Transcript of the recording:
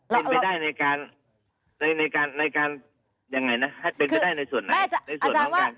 เป็นไปได้ในการยังไงนะให้เป็นไปได้ในส่วนไหน